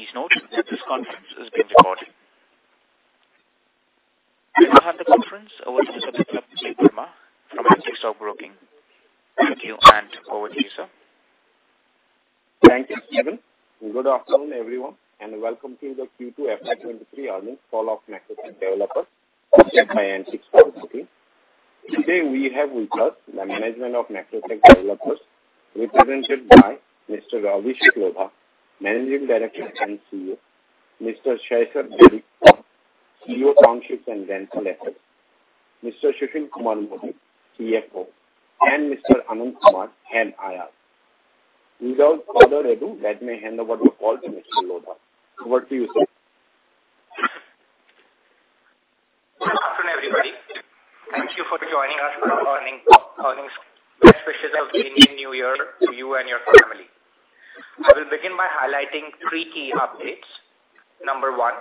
Please note that this conference is being recorded. I'll hand the conference over to Mr. Biplap Debbarma from Antique Stock Limited. Thank you, and over to you, sir. Thank you, Steven. Good afternoon, everyone, and welcome to the Q2 FY 2023 Earnings Call of Macrotech Developers chaired by Antique Stock Broking. Today we have with us the management of Macrotech Developers, represented by Mr. Abhishek Lodha, Managing Director and CEO, Mr. Shaishav Dharia, CEO, Townships and Rental Assets, Mr. Sushil Kumar Modi, CFO, and Mr. Anand Kumar, Head IR. Without further ado, let me hand over the call to Mr. Lodha. Over to you, sir. Good afternoon, everybody. Thank you for joining us for our earnings. Best wishes of Indian New Year to you and your family. I will begin by highlighting three key updates. Number one,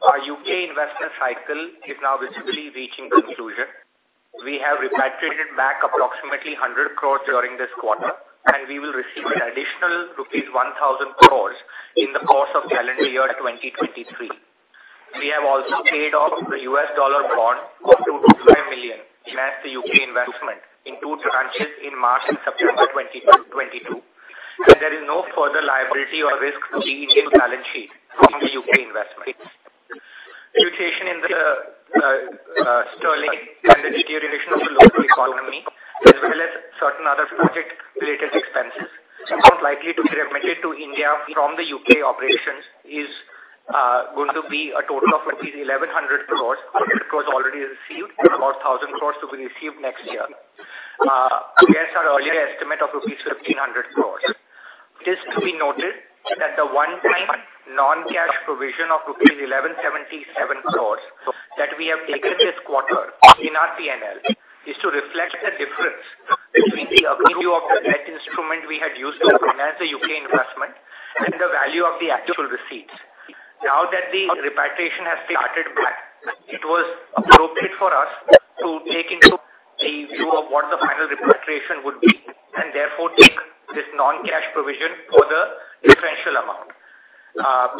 our U.K. investment cycle is now visibly reaching conclusion. We have repatriated back approximately 100 crores during this quarter, and we will receive an additional rupees 1,000 crores in the course of calendar year 2023. We have also paid off the US dollar bond of $225 million to match the U.K. investment in two tranches in March and September 2022, and there is no further liability or risk to the Indian balance sheet from the U.K. investment. Fluctuation in the sterling and the deterioration of the local economy, as well as certain other project related expenses, the amount likely to be remitted to India from the U.K. operations is going to be a total of rupees 1,100 crores. INR 100 crores already received, about 1,000 crores to be received next year, against our earlier estimate of rupees 1,500 crores. It is to be noted that the one-time non-cash provision of rupees 1,177 crores that we have taken this quarter in our P&L is to reflect the difference between the value of the debt instrument we had used to finance the U.K investment and the value of the actual receipts. Now that the repatriation has started back, it was appropriate for us to take into a view of what the final repatriation would be and therefore take this non-cash provision for the differential amount.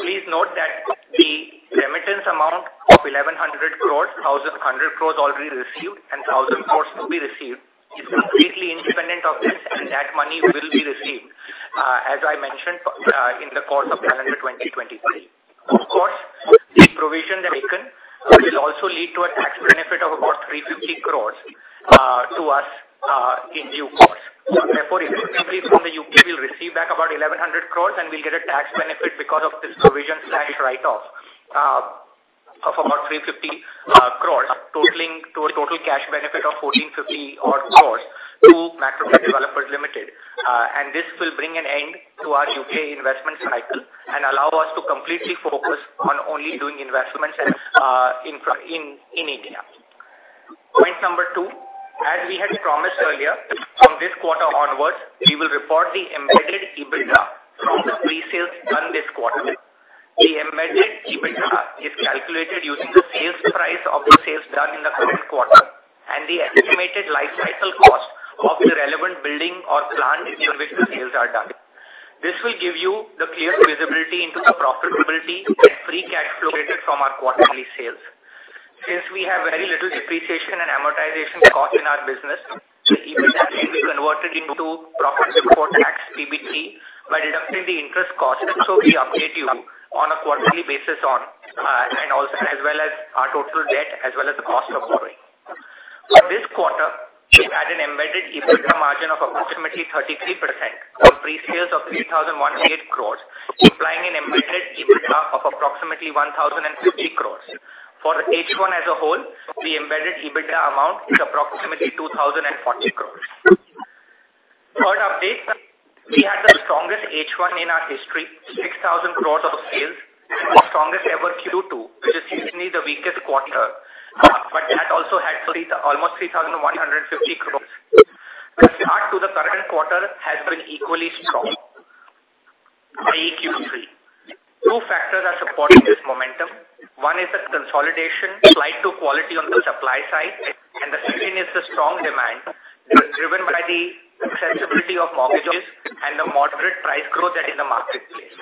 Please note that the remittance amount of 1,100 crores, 1,000 crores already received and 100 crores to be received is completely independent of this, and that money will be received, as I mentioned, in the course of calendar 2023. Of course, the provision that we taken will also lead to a tax benefit of about 350 crores to us in due course. Therefore, effectively from the U.K. we'll receive back about 1,100 crores, and we'll get a tax benefit because of this provision/write-off of about 350 crores, totaling to a total cash benefit of 1,450-odd crores to Macrotech Developers Limited. This will bring an end to our U.K. investment cycle and allow us to completely focus on only doing investments in India. Point number two, as we had promised earlier, from this quarter onwards we will report the embedded EBITDA from the presales done this quarter. The embedded EBITDA is calculated using the sales price of the sales done in the current quarter and the estimated life cycle cost of the relevant building or plant in which the sales are done. This will give you the clear visibility into the profitability and free cash flow generated from our quarterly sales. Since we have very little depreciation and amortization cost in our business, the EBITDA can be converted into profit before tax, PBT, by deducting the interest cost. We update you on a quarterly basis on, and also as well as our total debt, as well as the cost of borrowing. For this quarter, we had an embedded EBITDA margin of approximately 33% on presales of 3,100 crores, implying an embedded EBITDA of approximately 1,050 crores. For H1 as a whole, the embedded EBITDA amount is approximately 2,040 crores. Third update, we had the strongest H1 in our history, 6,000 crores of sales and the strongest ever Q2, which is usually the weakest quarter, but that also had almost 3,150 crores. The start to the current quarter has been equally strong for a Q3. Two factors are supporting this momentum. One is the consolidation leading to quality on the supply side, and the second is the strong demand driven by the availability of mortgages and the moderate price growth that is in the marketplace.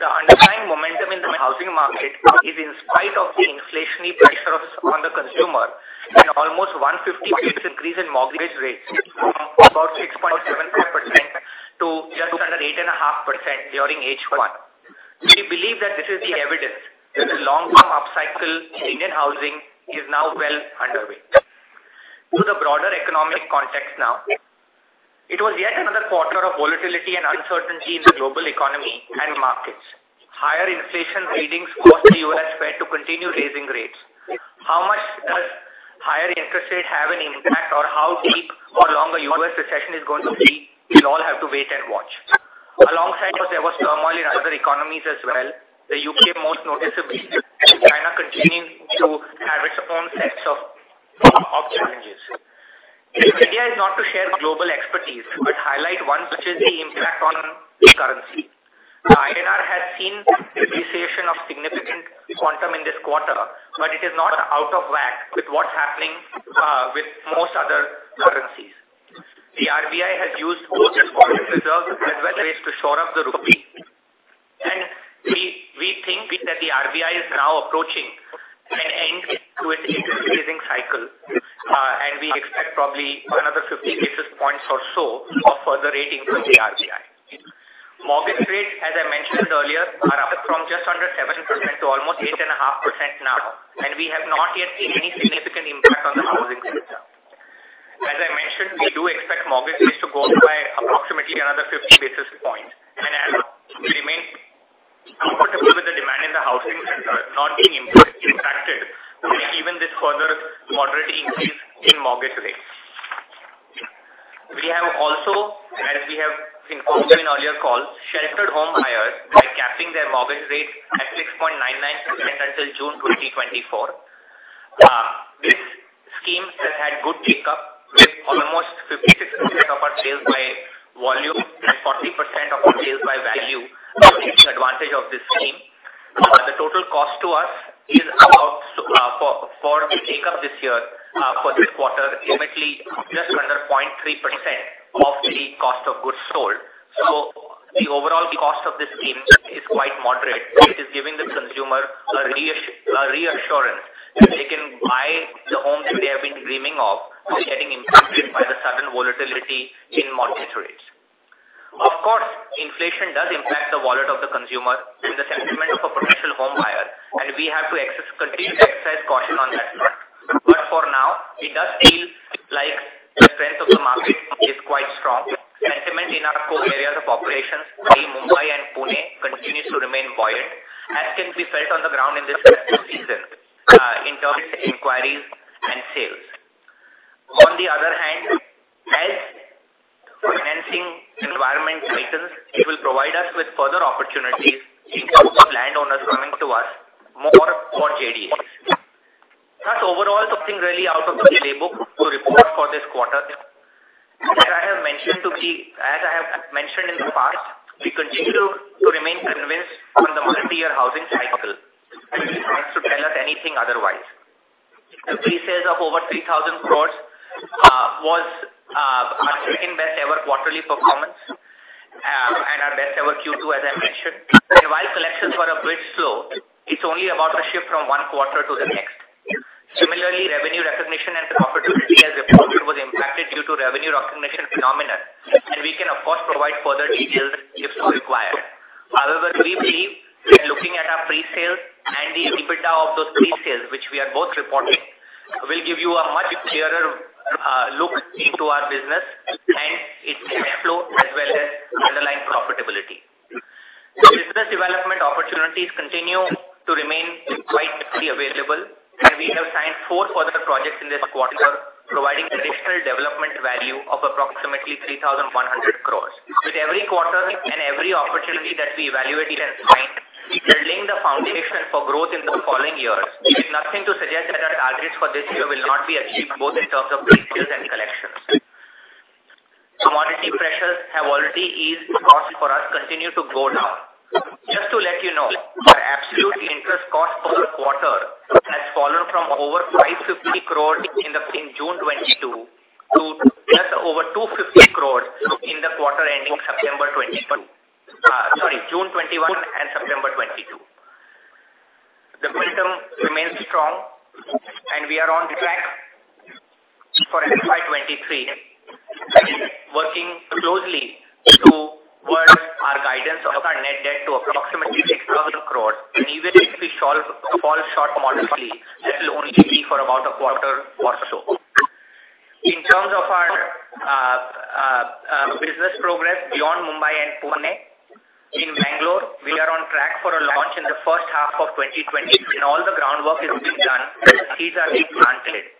The underlying momentum in the housing market is in spite of the inflationary pressures on the consumer and almost 150 basis points increase in mortgage rates from about 6.75% to just under 8.5% during H1. We believe that this is the evidence that the long-term upcycle in Indian housing is now well underway. To the broader economic context now, it was yet another quarter of volatility and uncertainty in the global economy and markets. Higher inflation readings forced the U.S. Fed to continue raising rates. How much does higher interest rate have an impact on how deep or long the U.S. recession is going to be, we'll all have to wait and watch. Alongside this, there was turmoil in other economies as well, the U.K. most noticeably, and China continuing to have its own sets of challenges. This idea is not to share global expertise, but highlight one which is the impact on currency. INR has seen recent depreciation in this quarter, but it is not out of whack with what's happening with most other currencies. The RBI has used both its foreign reserves as well as to shore up the rupee. We think that the RBI is now approaching an end to its interest raising cycle, and we expect probably another 50 basis points or so of further rate increase from the RBI. Mortgage rates, as I mentioned earlier, are up from just under 7% to almost 8.5% now, and we have not yet seen any significant impact on the housing sector. As I mentioned, we do expect mortgage rates to go up by approximately another 50 basis points. We remain comfortable with the demand in the housing sector not being impacted with even this further moderate increase in mortgage rates. We have also, as we have informed you in earlier calls, sheltered home buyers by capping their mortgage rates at 6.99% until June 2024. This scheme has had good take-up with almost 56% of our sales by volume and 40% of our sales by value taking advantage of this scheme. The total cost to us is about for the take-up this year for this quarter is actually just under 0.3% of the cost of goods sold. The overall cost of this scheme is quite moderate, but it is giving the consumer a reassurance that they can buy the homes that they have been dreaming of without getting impacted by the sudden volatility in mortgage rates. Of course, inflation does impact the wallet of the consumer and the sentiment of a potential home buyer, and we have to continue to exercise caution on that front. For now, it does feel like the strength of the market is quite strong. Sentiment in our core areas of operations, namely Mumbai and Pune, continues to remain buoyant, as can be felt on the ground in this festive season, in terms of inquiries and sales. On the other hand, as financing environment tightens, it will provide us with further opportunities in terms of landowners coming to us more for JDs. Thus, overall, nothing really out of the ordinary to report for this quarter. As I have mentioned in the past, we continue to remain convinced on the multi-year housing cycle. Nothing wants to tell us anything otherwise. The presales of over 3,000 crores was our second best ever quarterly performance, and our best ever Q2, as I mentioned. While collections were a bit slow, it's only about a shift from one quarter to the next. Similarly, revenue recognition and profitability as reported was impacted due to revenue optimization phenomenon, and we can, of course, provide further details if so required. However, we believe that looking at our presales and the EBITDA of those presales, which we are both reporting, will give you a much clearer look into our business and its cash flow as well as underlying profitability. Business development opportunities continue to remain quite readily available, and we have signed four further projects in this quarter, providing additional development value of approximately 3,100 crores. With every quarter and every opportunity that we evaluate and sign, we're building the foundation for growth in the following years, with nothing to suggest that our targets for this year will not be achieved, both in terms of presales and collections. Commodity pressures have already eased. Costs for us continue to go down. Just to let you know, our absolute interest cost per quarter has fallen from over 550 crore in June 2021 to just over 250 crore in the quarter ending September 2022. The momentum remains strong, and we are on track for FY 2023 and working closely toward our guidance of our net debt to approximately 6,000 crore. Even if we fall short modestly, that will only be for about a quarter or so. In terms of our business progress beyond Mumbai and Pune, in Bangalore, we are on track for a launch in the first half of 2020. All the groundwork has been done and the seeds are being planted.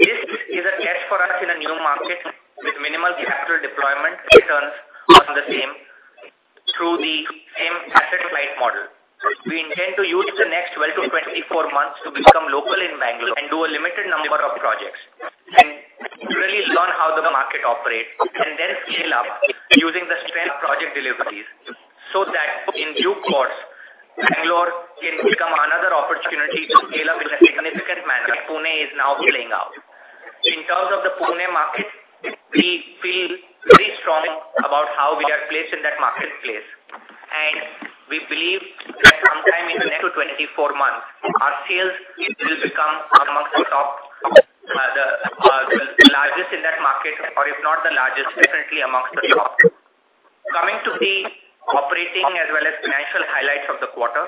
This is a test for us in a new market with minimal capital deployment returns on the same through the same asset-light model. We intend to use the next 12-24 months to become local in Bangalore and do a limited number of projects and really learn how the market operates and then scale up using the strength of project deliveries so that in due course, Bangalore can become another opportunity to scale up in a significant manner. Pune is now playing out. In terms of the Pune market, we feel very strong about how we are placed in that marketplace. We believe that sometime in the next 24 months, our sales will become among the top, the largest in that market, or if not the largest, definitely among the top. Coming to the operating as well as financial highlights of the quarter.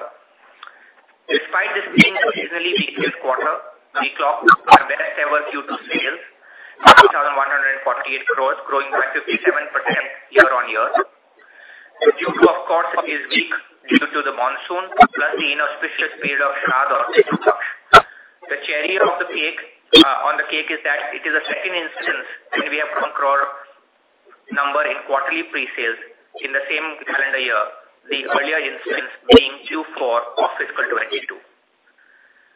Despite this being a seasonally weaker quarter, we clocked our best ever Q2 sales, 5,148 crores growing by 57% year-on-year. Q2, of course, is weak due to the monsoon, plus the inauspicious period of Shradh or Pitru Paksha. The cherry on the cake is that it is the second instance when we have crossed 1,000 crore number in quarterly presales in the same calendar year. The earlier instance being Q4 of fiscal 2022.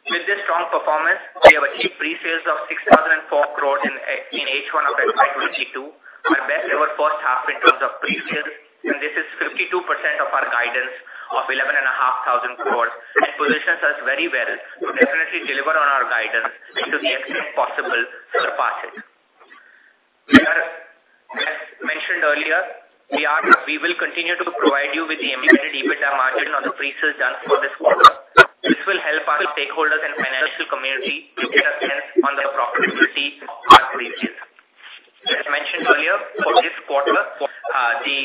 With this strong performance, we have achieved pre-sales of 6,004 crores in H1 of FY 2022. Our best ever first half in terms of pre-sales, and this is 52% of our guidance of 11,500 crores, and positions us very well to definitely deliver on our guidance and to the extent possible, surpass it. As mentioned earlier, we will continue to provide you with the EBITDA margin on the pre-sales done for this quarter. This will help our stakeholders and financial community to get a sense on the profitability of our pre-sales. As mentioned earlier, for this quarter, the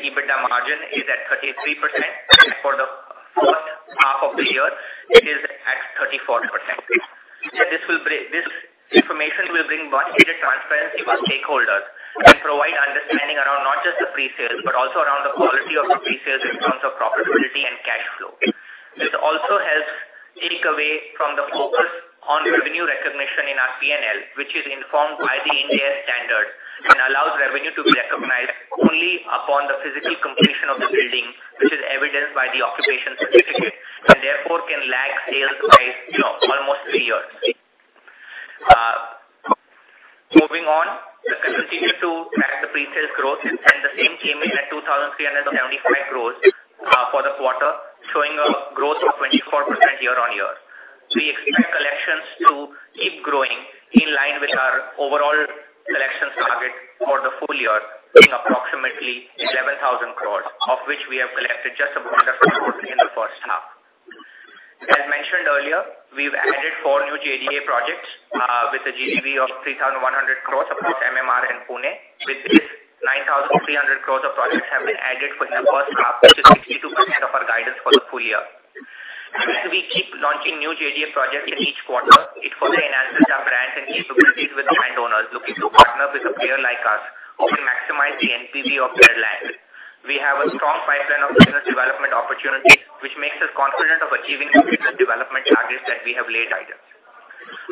EBITDA margin is at 33%, and for the first half of the year, it is at 34%. This information will bring much needed transparency for stakeholders and provide understanding around not just the pre-sales, but also around the quality of the pre-sales in terms of profitability and cash flow. This also helps take away from the focus on revenue recognition in our P&L, which is informed by the Ind AS and allows revenue to be recognized only upon the physical completion of the building, which is evidenced by the occupation certificate, and therefore can lag sales by, you know, almost three years. Moving on. We continue to match the pre-sales growth, and the same came in at 2,375 crores for the quarter, showing a growth of 24% year-on-year. We expect collections to keep growing in line with our overall collections target for the full year, being approximately 11,000 crores, of which we have collected just about 1,000 crores in the first half. As mentioned earlier, we've added four new JDA projects with a GDV of 3,100 crores across MMR and Pune. With this, 9,300 crores of projects have been added for the first half, which is 62% of our guidance for the full year. As we keep launching new JDA projects in each quarter, it further enhances our brand and capabilities with the landowners looking to partner with a player like us, who will maximize the NPV of their land. We have a strong pipeline of business development opportunities, which makes us confident of achieving the business development targets that we have laid out.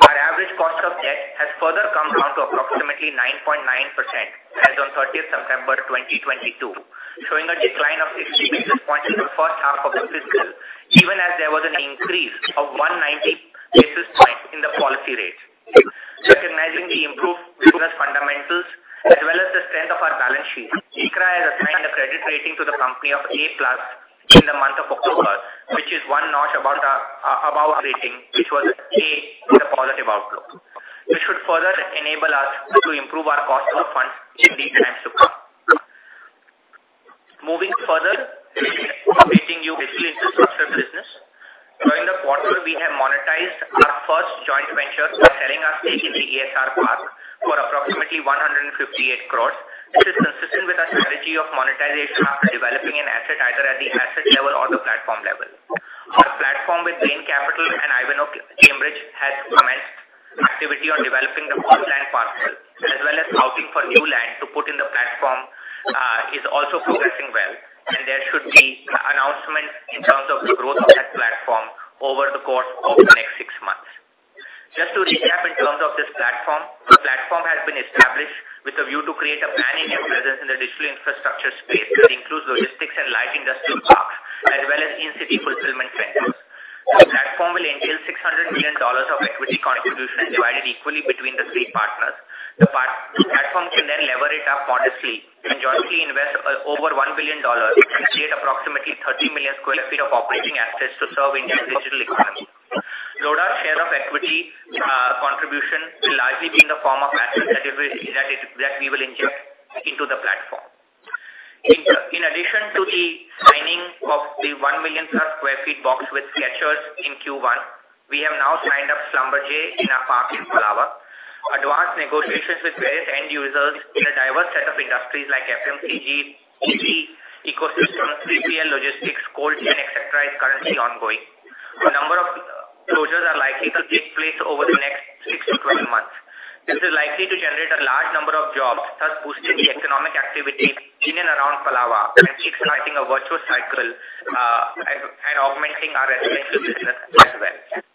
Our average cost of debt has further come down to approximately 9.9% as on 30 September 2022, showing a decline of 60 basis points in the first half of the fiscal, even as there was an increase of 190 basis points in the policy rate. Recognizing the improved business fundamentals as well as the strength of our balance sheet, ICRA has assigned a credit rating to the company of A+ in the month of October, which is one notch above the above rating, which was A with a positive outlook. This should further enable us to improve our cost of funds in the times to come. Moving further, updating you with digital infrastructure business. During the quarter we have monetized our first joint venture by selling our stake in the ESR park for approximately 158 crores. This is consistent with our strategy of monetization after developing an asset either at the asset level or the platform level. Our platform with Bain Capital and Ivanhoé Cambridge has commenced activity on developing the four land parcels, as well as scouting for new land to put in the platform, is also progressing well, and there should be announcement in terms of the growth of that platform over the course of the next six months. Just to recap in terms of this platform, the platform has been established with a view to create a pan-Indian presence in the digital infrastructure space that includes logistics and light industrial parks, as well as in-city fulfillment centers. The platform will entail $600 million of equity contribution divided equally between the three partners. The platform can then lever it up modestly and jointly invest over $1 billion and create approximately 30 million sq ft of operating assets to serve India's digital economy. Lodha's share of equity contribution will largely be in the form of assets that we will inject into the platform. In addition to the signing of the 1 million+ sq ft box with Skechers in Q1, we have now signed up Schlumberger in our park in Palava. Advanced negotiations with various end users in a diverse set of industries like FMCG, 3PL ecosystems, 3PL logistics, cold chain, et cetera, is currently ongoing. A number of closures are likely to take place over the next 6-12 months. This is likely to generate a large number of jobs, thus boosting the economic activity in and around Palava and kickstarting a virtuous cycle and augmenting our residential business as well.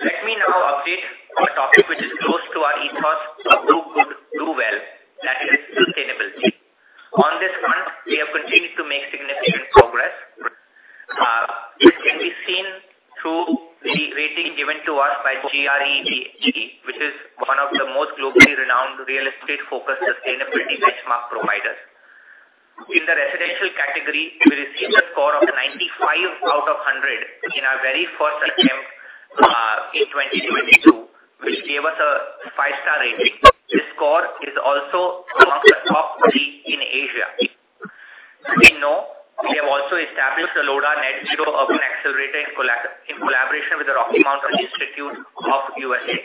Let me now update on a topic which is close to our ethos of do good, do well, that is sustainability. On this front, we have continued to make significant progress. This can be seen through the rating given to us by GRESB, which is one of the most globally renowned real estate focused sustainability benchmark providers. In the residential category, we received a score of 95 out of 100 in our very first attempt, in 2022, which gave us a five-star rating. This score is also amongst the top three in Asia. Let me now, we have also established the Lodha Net Zero Urban Accelerator in collaboration with the Rocky Mountain Institute of USA.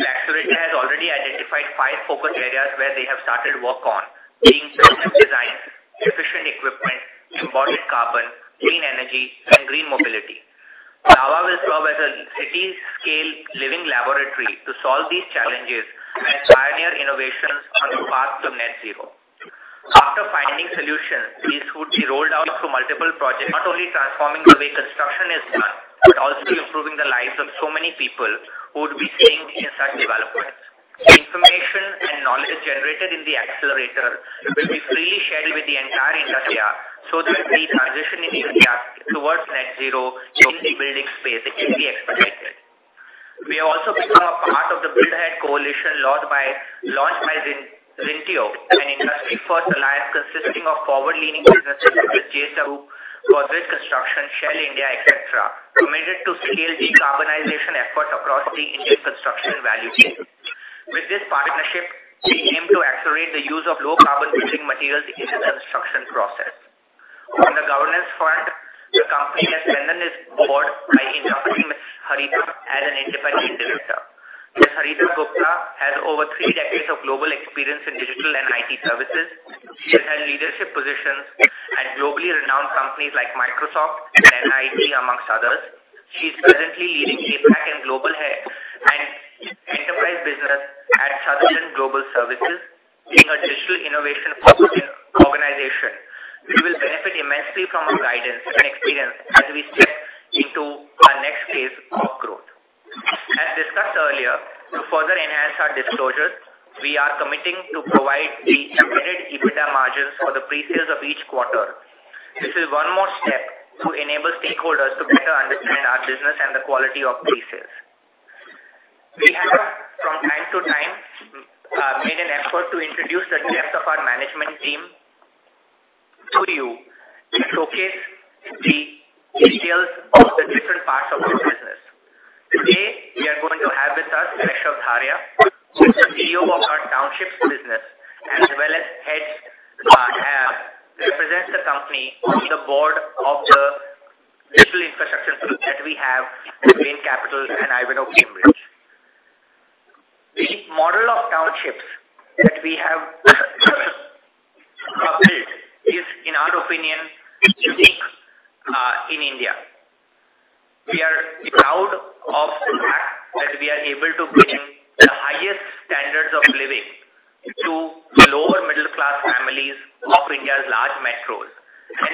The accelerator has already identified 5 focus areas where they have started work on, being building design, efficient equipment, embodied carbon, clean energy, and green mobility. Palava will serve as a city scale living laboratory to solve these challenges and pioneer innovations on the path to net zero. After finding solutions, these would be rolled out through multiple projects, not only transforming the way construction is done, but also improving the lives of so many people who would be living inside developments. The information and knowledge generated in the accelerator will be freely shared with the entire industry so that the transition in India towards net zero in the building space can be expedited. We have also become a part of the Build Ahead Coalition launched by Xynteo, an industry first alliance consisting of forward-leaning businesses such as JSW, Godrej Construction, Shell India, et cetera, committed to scale decarbonization efforts across the Indian construction value chain. With this partnership, we aim to accelerate the use of low carbon building materials in the construction process. On the governance front, the company has strengthened its board by inducting Ms. Harita Gupta as an independent director. Ms. Harita Gupta has over three decades of global experience in digital and IT services. She has held leadership positions at globally renowned companies like Microsoft and NIIT, among others. She's currently leading APAC and global head and enterprise business at Sutherland Global Services, being a digital innovation-focused organization. We will benefit immensely from her guidance and experience as we step into our next phase of growth. As discussed earlier, to further enhance our disclosures, we are committing to provide the embedded EBITDA margins for the pre-sales of each quarter. This is one more step to enable stakeholders to better understand our business and the quality of pre-sales. We have, from time to time, made an effort to introduce the depth of our management team to you to showcase the details of the different parts of our business. Today, we are going to have with us Shaishav Dharia, who is the CEO of our townships business as well as heads our, represents the company on the board of the digital infrastructure tools that we have with Bain Capital and Ivanhoé Cambridge. The model of townships that we have built is, in our opinion, unique, in India. We are proud of the fact that we are able to bring the highest standards of living to lower middle class families of India's large metros.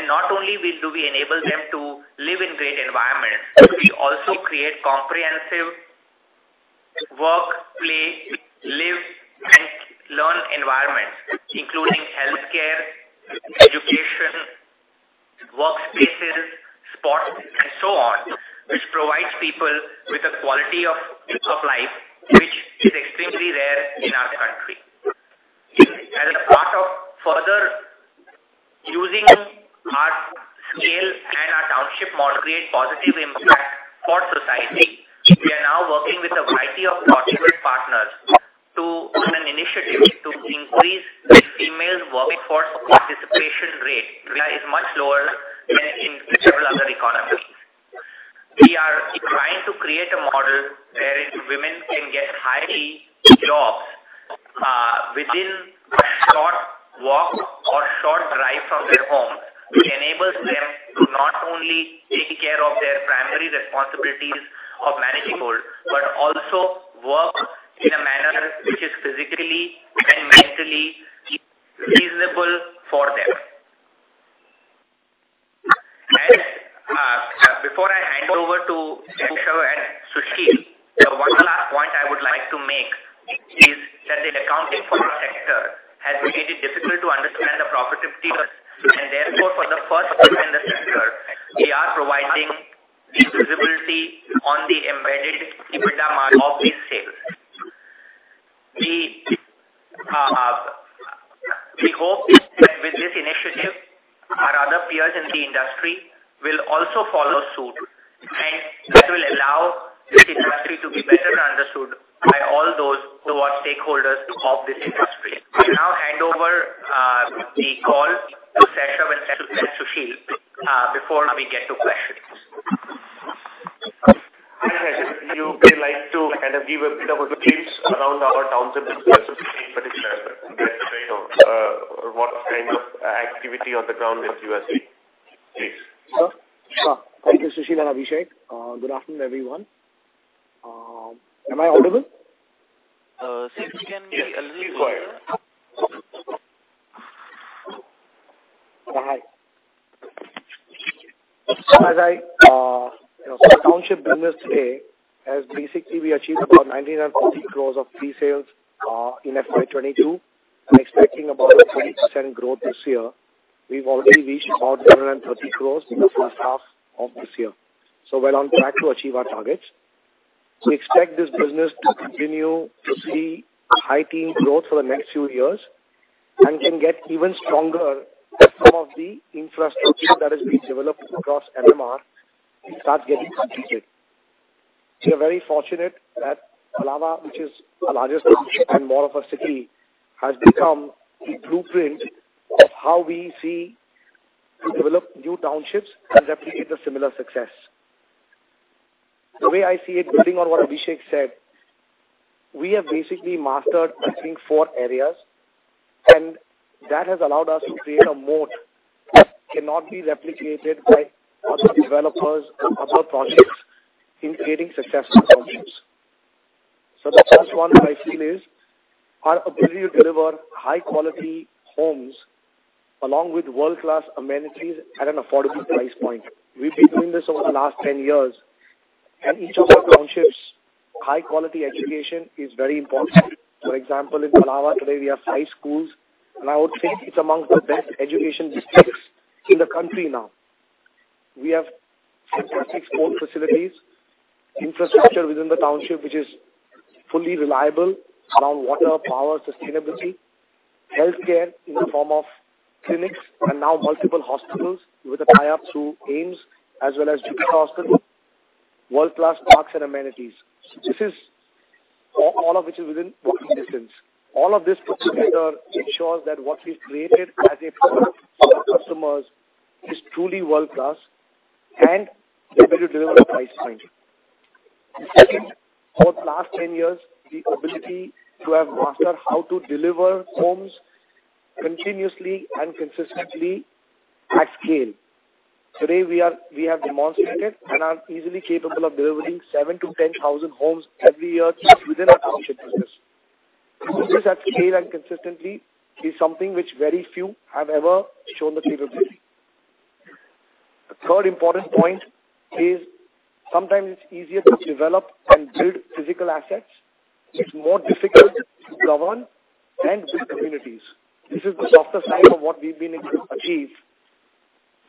Not only do we enable them to live in great environments, we also create comprehensive work, play, live and learn environments, including healthcare, education, workspaces, sports, and so on, which provides people with a quality of life which is extremely rare in our country. As a part of further using our scale and our township model to create positive impact for society, we are now working with of this year. We're on track to achieve our targets. We expect this business to continue to see high teen growth for the next few years and can get even stronger as some of the infrastructure that is being developed across MMR starts getting completed. We are very fortunate that Palava, which is our largest township and more of a city, has become the blueprint of how we see and develop new townships and replicate a similar success. The way I see it, building on what Abhishek said, we have basically mastered, I think, four areas, and that has allowed us to create a moat that cannot be replicated by other developers or other projects in creating successful townships. The first one I feel is our ability to deliver high-quality homes along with world-class amenities at an affordable price point. We've been doing this over the last 10 years and each of our townships, high-quality education is very important. For example, in Palava today we have five schools, and I would say it's among the best education districts in the country now. We have six core facilities, infrastructure within the township, which is fully reliable around water, power, sustainability, healthcare in the form of clinics, and now multiple hospitals with a tie-up through AIIMS as well as Jupiter Hospital. World-class parks and amenities. All of which is within walking distance. All of this put together ensures that what we've created as a product for our customers is truly world-class and able to deliver the price point. Second, for the last 10 years, the ability to have mastered how to deliver homes continuously and consistently at scale. Today, we have demonstrated and are easily capable of delivering 7,000-10,000 homes every year within our township business. To do this at scale and consistently is something which very few have ever shown the capability. The third important point is sometimes it's easier to develop and build physical assets. It's more difficult to govern and build communities. This is the softer side of what we've been able to achieve.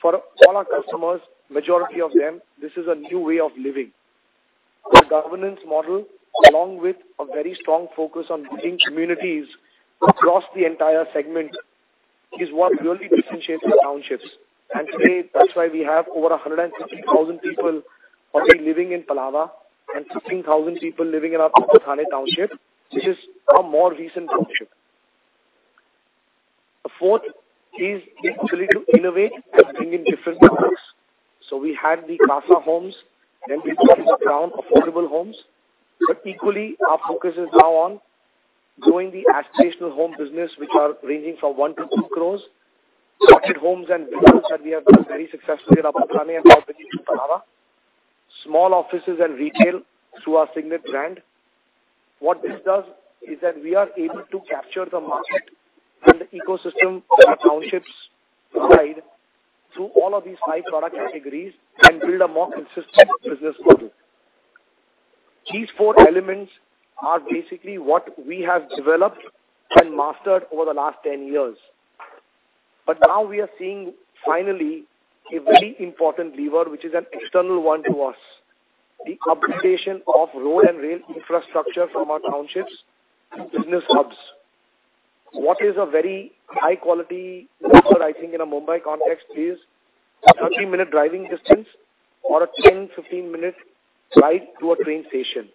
For all our customers, majority of them, this is a new way of living. The governance model, along with a very strong focus on building communities across the entire segment, is what really differentiates the townships. Today, that's why we have over 150,000 people already living in Palava and 15,000 people living in our Upper Thane township, which is a more recent township. The fourth is the ability to innovate and bring in different products. We had the Casa homes, then we introduced Crown, affordable homes. Equally, our focus is now on growing the aspirational home business, which are ranging from 1 crore-2 crore. Budget homes and villas that we have done very successfully in Upper Thane and now bringing to Palava. Small offices and retail through our Signet brand. What this does is that we are able to capture the market and the ecosystem that our townships provide through all of these five product categories and build a more consistent business model. These four elements are basically what we have developed and mastered over the last 10 years. Now we are seeing finally a very important lever, which is an external one to us, the upgradation of road and rail infrastructure from our townships to business hubs. What is a very high quality measure, I think, in a Mumbai context is a 30-minute driving distance or a 10-15-minute ride to a train station.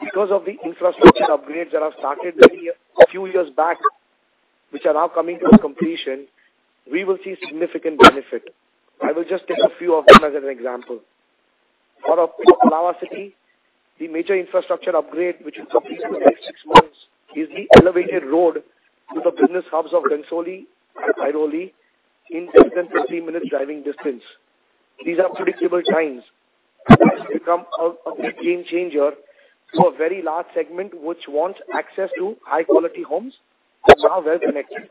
Because of the infrastructure upgrades that have started a few years back, which are now coming to a completion, we will see significant benefit. I will just take a few of them as an example. For our Palava City, the major infrastructure upgrade, which is complete in the next six months, is the elevated road to the business hubs of Ghansoli and Airoli in less than 15 minutes driving distance. These are predictable times. This becomes a big game changer for a very large segment which wants access to high-quality homes that are well-connected.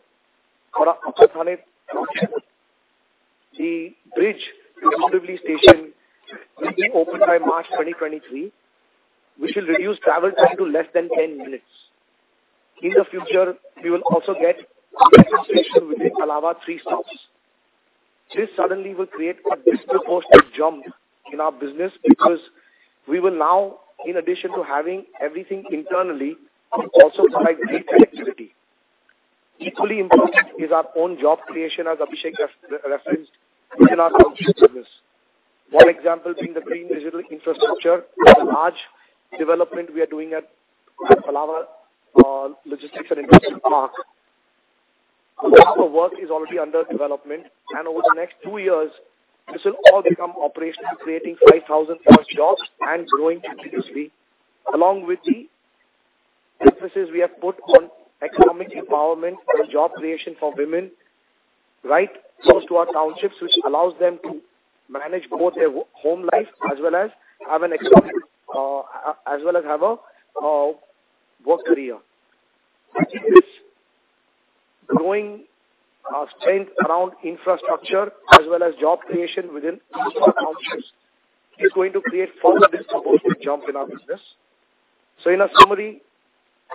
For our Upper Thane township, the bridge to Thane station will be open by March 2023, which will reduce travel time to less than 10 minutes. In the future, we will also get a metro station within Palava, 3 stops. This suddenly will create a disproportionate jump in our business because we will now, in addition to having everything internally, also provide great connectivity. Equally important is our own job creation, as Abhishek referenced, within our township business. One example being the green digital infrastructure, a large development we are doing at Palava Logistics and Industrial Park. A lot of work is already under development, and over the next two years, this will all become operational, creating 5,000-plus jobs and growing continuously, along with the emphasis we have put on economic empowerment or job creation for women right close to our townships, which allows them to manage both their home life as well as have a work career. I think this growing strength around infrastructure as well as job creation within our townships is going to create further disproportionate jump in our business. In a summary,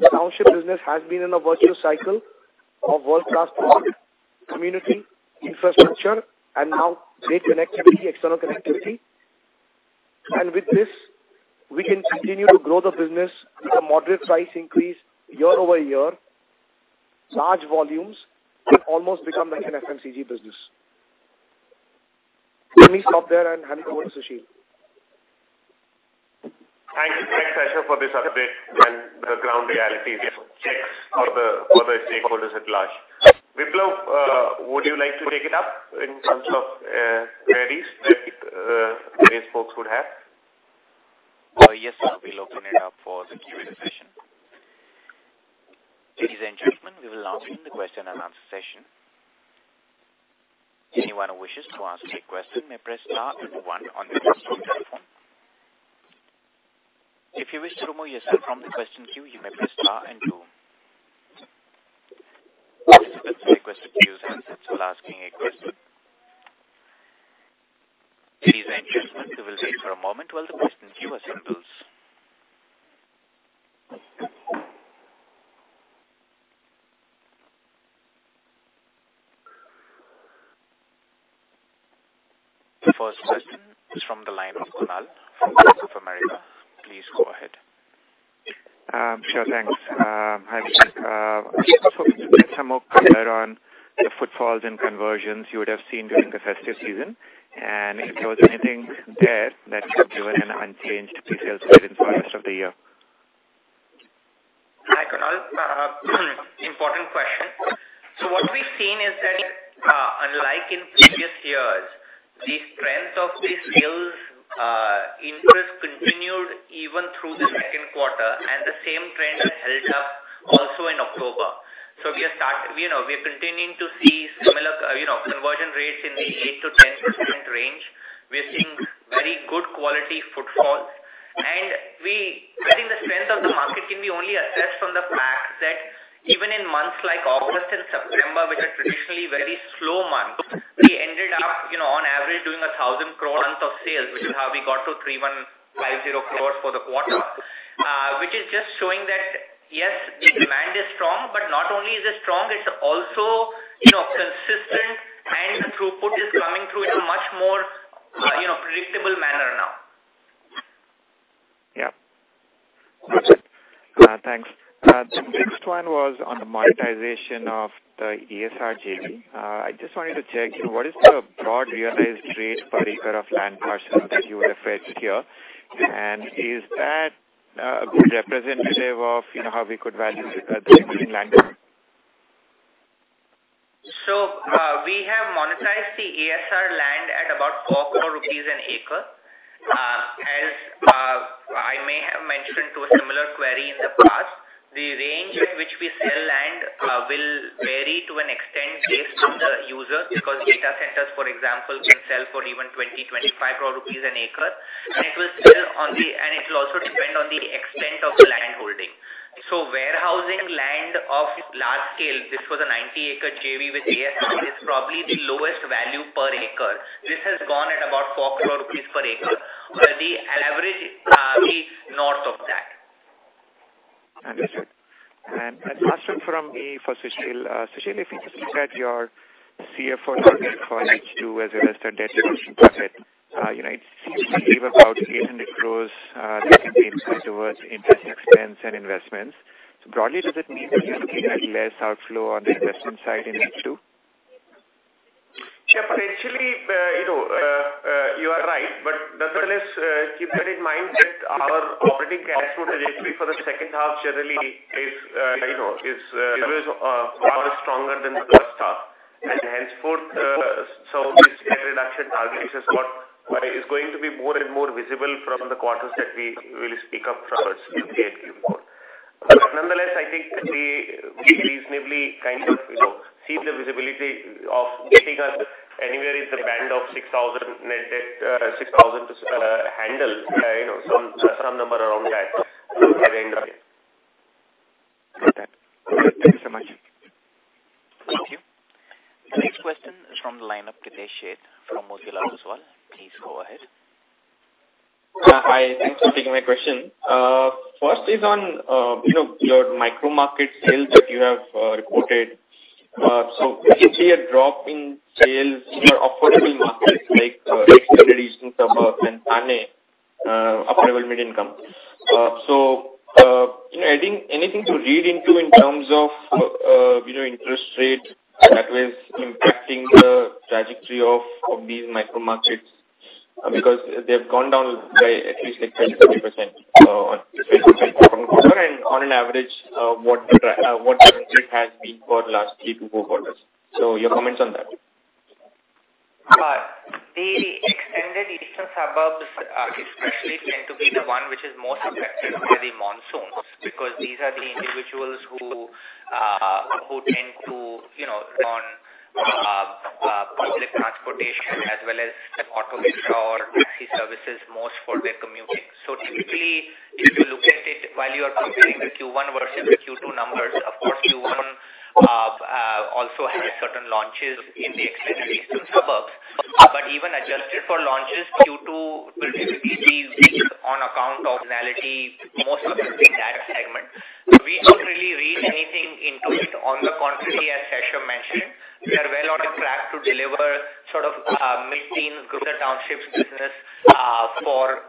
the township business has been in a virtuous cycle of world-class product, community, infrastructure, and now great connectivity, external connectivity. With this, we can continue to grow the business with a moderate price increase year-over-year, large volumes, and almost become like an FMCG business. Let me stop there and hand it over to Sushil Kumar Modi. Thanks, Shaishav, for this update and the ground reality checks for the stakeholders at large. Biplap, would you like to take it up in terms of queries that various folks would have? Yes, sir. We'll open it up for the Q&A session. Ladies and gentlemen, we will now open the question and answer session. Anyone who wishes to ask a question may press star then one on your telephone. If you wish to remove yourself from the question queue, you may press star and two. Please mute requested queues when asking a question. Ladies and gentlemen, we will wait for a moment while the question queue assembles. The first question is from the line of Kunal from Bank of America. Please go ahead. I was hoping to get some more color on the footfalls and conversions you would have seen during the festive season, and if there was anything there that could give us an unchanged pre-sale guidance for the rest of the year. Hi, Kunal. Important question. What we've seen is that, unlike in previous years, the strength of the sales interest continued even through the second quarter, and the same trend has held up also in October. We are continuing to see similar conversion rates in the 8%-10% range. We're seeing very good quality footfall. I think the strength of the market can be only assessed from the fact that even in months like August and September, which are traditionally very slow months, we ended up, on average, doing 1,000 crore run of sales, which is how we got to 3,150 crore for the quarter. which is just showing that, yes, the demand is strong, but not only is it strong, it's also, you know, consistent and the throughput is coming through in a much more, you know, predictable manner now. Yeah. Gotcha. Thanks. The next one was on the monetization of the ESR JV. I just wanted to check, what is the broad realized rate per acre of land parcel that you referred here? And is that a good representative of, you know, how we could value the remaining land? We have monetized the ESR land at about 4 crore rupees an acre. As I may have mentioned to a similar query in the past, the range in which we sell land will vary to an extent based on the user, because data centers, for example, can sell for even 20-25 crore rupees an acre. It'll also depend on the extent of the landholding. Warehousing land of large scale, this was a 90-acre JV with ESR, is probably the lowest value per acre. This has gone at about 4 crore rupees per acre, where the average is north of that. Understood. Last one from me for Sushil. Sushil, if we just look at your CFO target for H2 as well as the debt reduction target, you know, it seems to be about 800 crore that can be put towards interest expense and investments. Broadly, does it mean that you're looking at less outflow on the investment side in H2? Sure. Potentially, you know, you are right, but nonetheless, keep that in mind that our operating cash flow trajectory for the second half generally is, you know, always far stronger than the first half. Henceforth, this debt reduction target is just what is going to be more and more visible from the quarters that we will speak of from Q3 in the AR report. Nonetheless, I think we reasonably kind of, you know, see the visibility of getting our net debt anywhere in the band of 6,000 net debt, 6,000-7,000, you know, some number around that by the end of it. Got that. Thank you so much. Thank you. The next question is from the line of Pritesh Sheth from Motilal Oswal. Please go ahead. Hi. Thanks for taking my question. First is on you know your micro-market sales that you have reported. We can see a drop in sales in your affordable markets like Extended Eastern Suburbs and Thane affordable mid-income. You know is there anything to read into in terms of you know interest rate that was impacting the trajectory of these micro-markets because they've gone down by at least like 10%-70% quarter-on-quarter and on average what the interest has been for the last 3-4 quarters. Your comments on that. The Extended Eastern Suburbs historically tend to be the one which is more subjected by the monsoons, because these are the individuals who tend to, you know, run public transportation as well as the auto rickshaw or taxi services most for their commuting. Typically, if you look at it while you are comparing the Q1 versus the Q2 numbers, of course, Q1 also has certain launches in the Extended Eastern Suburbs. Even adjusted for launches, Q2 will typically be weak on account of seasonality, most of it in that segment. We don't really read anything into it. On the contrary, as Shaishav Dharia mentioned, we are well on track to deliver sort of mid-teen growth in townships business for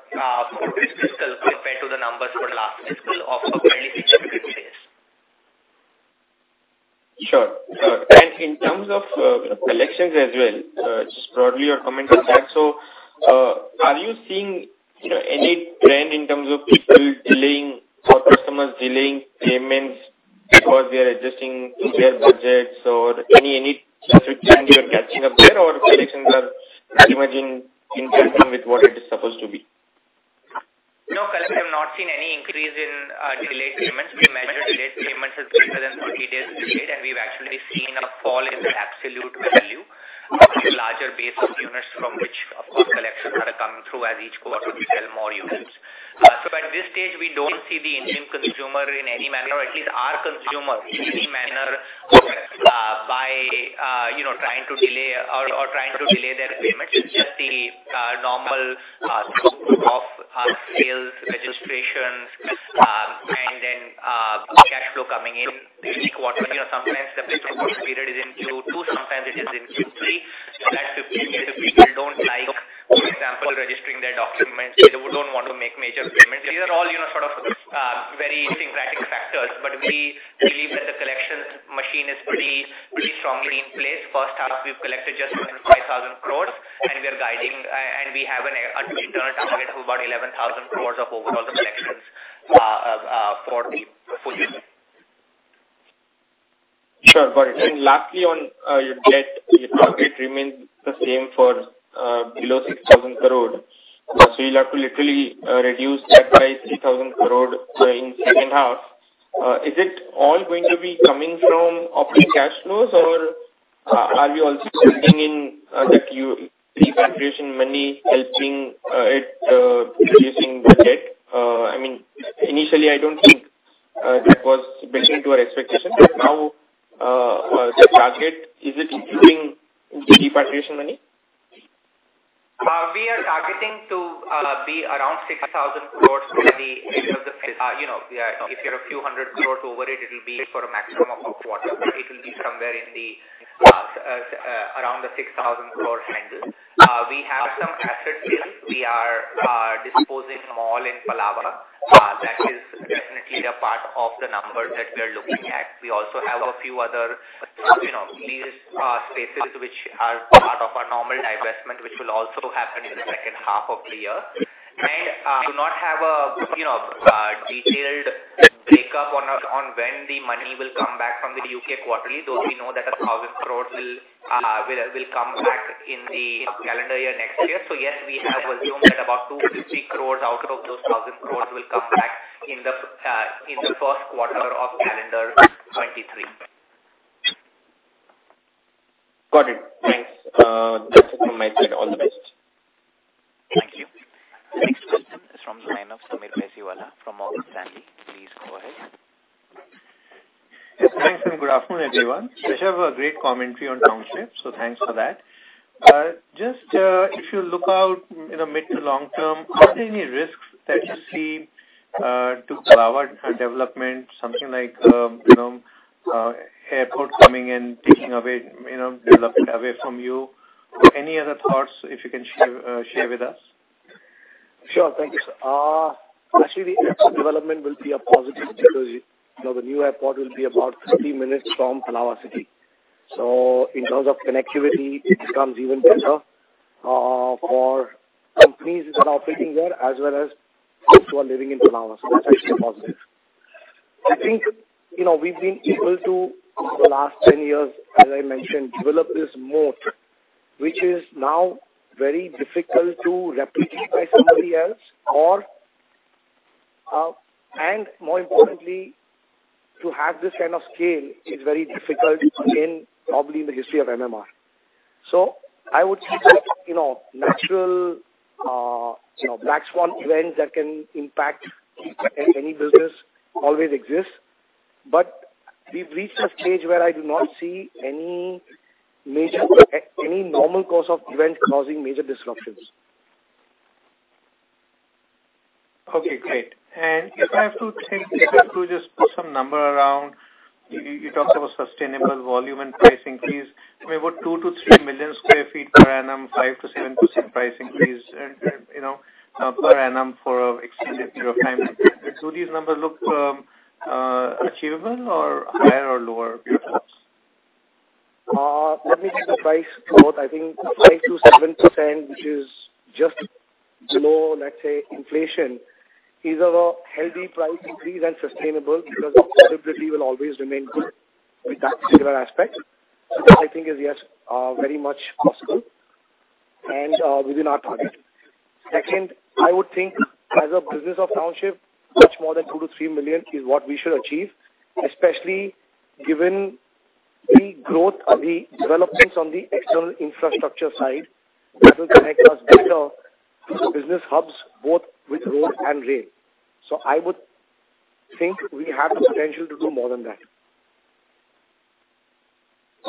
this fiscal compared to the numbers for last fiscal of some 27%. Sure. In terms of collections as well, just broadly your comment on that. Are you seeing, you know, any trend in terms of people delaying or customers delaying payments because they are adjusting to their budgets? Or any restriction you are catching up there or collections are remaining in tandem with what it is supposed to be? No, Pritesh Sheth, we have not seen any increase in delayed payments. We measure delayed payments as greater than 30 days delayed, and we've actually seen a fall in the absolute value of the larger base of units from which, of course, collections are coming through as each quarter we sell more units. At this stage, we don't see the Indian consumer in any manner, or at least our consumer in any manner, being, you know, trying to delay their payments. It's just the normal scope of our sales registrations, and then cash flow coming in the unique quarterly or sometimes the fiscal quarter period is in Q2, sometimes it is in Q3. That's the period people don't like, for example, registering their documents. They don't want to make major payments. These are all, you know, sort of, very syncretic factors. We believe that the collection machine is pretty strongly in place. First half, we've collected just under 5,000 crores, and we have an internal target of about 11,000 crores of overall collections for the full year. Sure. Got it. Lastly on your debt, your target remains the same for below 6,000 crore. You'll have to literally reduce that by 3,000 crore in second half. Is it all going to be coming from operating cash flows or are you also building in the repatriation money helping it reducing the debt? I mean, initially I don't think that was built into our expectation, but now the target, is it including the repatriation money? We are targeting to be around 6,000 crores by the end of the fiscal. You know, yeah, if you're a few hundred crores over it'll be for a maximum of quarter. It will be somewhere in the around the 6,000 crore handle. We have some asset sales. We are disposing a mall in Palava. That is definitely a part of the number that we are looking at. We also have a few other, you know, leased spaces which are part of our normal divestment, which will also happen in the second half of the year. We do not have a, you know, a detailed breakup on when the money will come back from the U.K. Quarterly, though we know that 1,000 crores will come back in the calendar year next year. Yes, we have assumed that about 2 crore-3 crore out of those 1,000 crore will come back in the first quarter of calendar 2023. Got it. Thanks. That's it from my side. All the best. Thank you. Next question is from the line of Sameer Baisiwala from Morgan Stanley. Please go ahead. Yes, thanks and good afternoon, everyone. Abhishek, a great commentary on Township, so thanks for that. Just if you look out in the mid to long term, are there any risks that you see to Palava development, something like, you know, airport coming in, taking away, you know, development away from you? Any other thoughts if you can share with us? Sure. Thanks. Actually the airport development will be a positive because, you know, the new airport will be about 30 minutes from Palava. In terms of connectivity it becomes even better, for companies which are operating there as well as those who are living in Palava, so that's actually a positive. I think, you know, we've been able to, for the last 10 years, as I mentioned, develop this moat, which is now very difficult to replicate by somebody else or, and more importantly, to have this kind of scale is very difficult again, probably in the history of MMR. I would say that, you know, natural, you know, black swan events that can impact any business always exists, but we've reached a stage where I do not see any major any normal course of event causing major disruptions. Okay, great. If I have to take liberty to just put some number around, you talked about sustainable volume and price increase. I mean, what 2-3 million sq ft per annum, 5%-7% price increase and, you know, per annum for extended period of time. Do these numbers look achievable or higher or lower in your thoughts? Let me take the price growth. I think 5%-7%, which is just below, let's say inflation, is a healthy price increase and sustainable because affordability will always remain good with that similar aspect. That I think is, yes, very much possible and within our target. Second, I would think as a business of township, much more than 2 million-3 million is what we should achieve, especially given the growth of the developments on the external infrastructure side, which will connect us better to the business hubs, both with road and rail. I would think we have the potential to do more than that.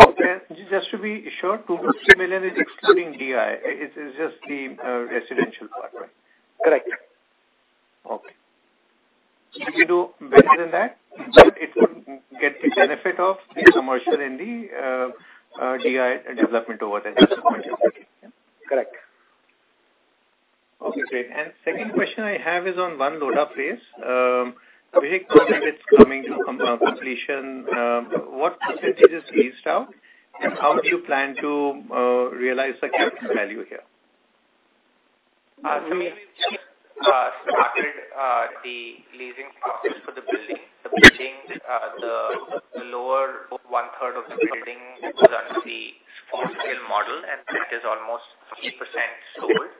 Okay. Just to be sure, 2-3 million is excluding DI. It's just the residential part, right? Correct. Okay. If you do better than that, it would get the benefit of the commercial in the DI development over the next couple of years. Okay. Correct. Okay, great. Second question I have is on One Lodha Place. Abhishek, project is coming to completion. What percentage is leased out? How do you plan to realize the current value here? We started the leasing process for the building. The lower one third of the building is under the for-sale model, and that is almost 50% sold.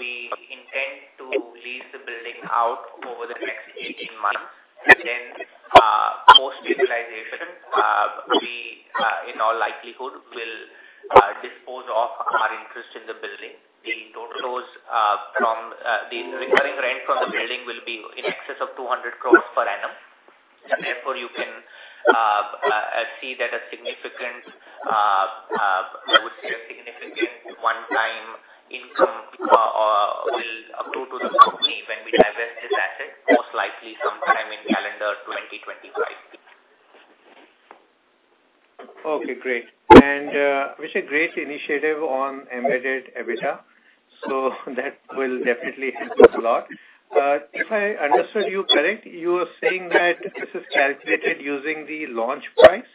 We intend to lease the building out over the next 18 months. Then, post utilization, we in all likelihood will dispose of our interest in the building. The total recurring rent from the building will be in excess of 200 crores per annum. Therefore you can see that a significant one-time income will accrue to the company when we divest this asset most likely sometime in calendar 2025. Okay, great. It's a great initiative on embedded EBITDA. That will definitely help us a lot. If I understood you correctly, you were saying that this is calculated using the launch price.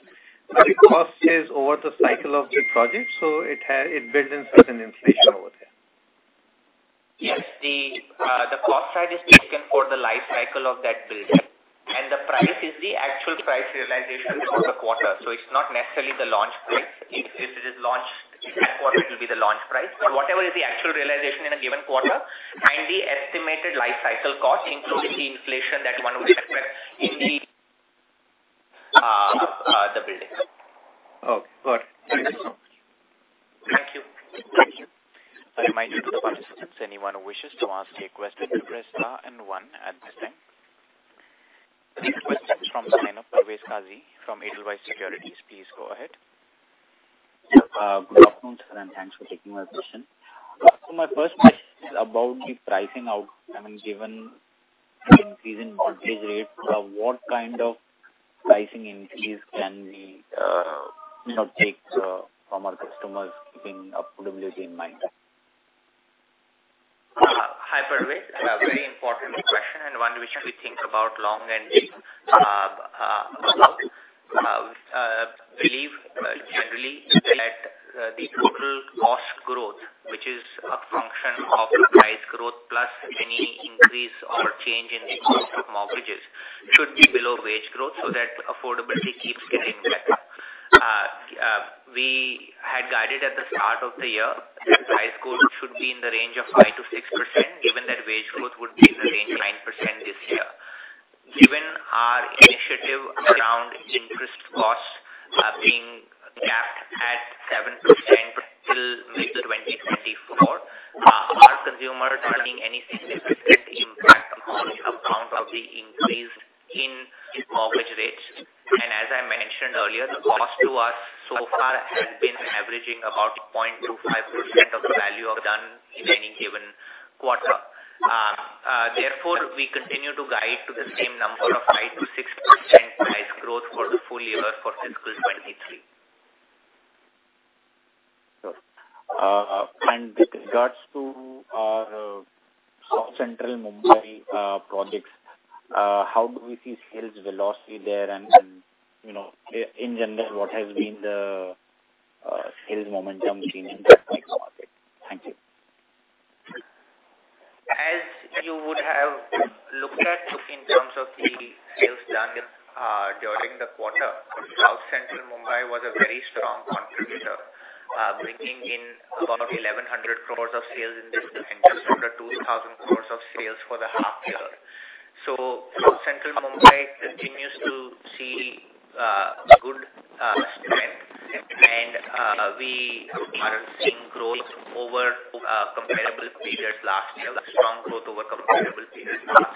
The cost is over the cycle of the project, so it builds in certain inflation over there. Yes. The cost side is taken for the life cycle of that building, and the price is the actual price realization for the quarter. It's not necessarily the launch price. If it is launched that quarter, it will be the launch price. But whatever is the actual realization in a given quarter and the estimated life cycle cost, including the inflation that one would expect in the building. Okay, got it. Thank you so much. Thank you. Thank you. A reminder to the participants, anyone who wishes to ask a question, press star and one at this time. The next question is from the line of Parvez Qazi from Edelweiss Securities. Please go ahead. Good afternoon, sir, and thanks for taking my question. My first question is, given the increase in mortgage rates, what kind of pricing increase can we take from our customers keeping affordability in mind? Hi, Parvez. A very important question and one which we think about long and hard, believe generally that the total cost growth, which is a function of price growth plus any increase or change in the cost of mortgages should be below wage growth so that affordability keeps getting better. We had guided at the start of the year that price growth should be in the range of 5%-6%, given that wage growth would be in the range 9% this year. Given our initiative around interest costs being capped at 7% till mid-2024, insulates our consumers from any significant impact on account of the increase in mortgage rates. As I mentioned earlier, the cost to us so far has been averaging about 0.25% of the GDV in any given quarter. Therefore, we continue to guide to the same number of 5%-6% price growth for the full year for fiscal 2023. Sure. With regards to our South Central Mumbai projects, how do we see sales velocity there? You know, in general, what has been the sales momentum change in that micro market? Thank you. As you would have looked at in terms of the sales done during the quarter, South Central Mumbai was a very strong contributor, bringing in about 1,100 crores of sales in this and just under 2,000 crores of sales for the half year. South Central Mumbai continues to see good strength. We are seeing strong growth over comparable period last